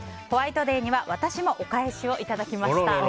ホワイトデーには私もお返しをいただきました。